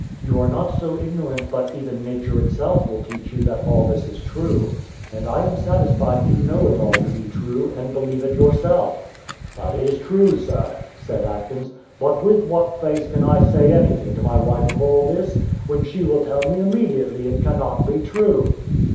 You are not so ignorant but even nature itself will teach you that all this is true; and I am satisfied you know it all to be true, and believe it yourself." "That is true, sir," said Atkins; "but with what face can I say anything to my wife of all this, when she will tell me immediately it cannot be true?"